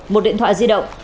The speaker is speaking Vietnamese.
một điện thoại di động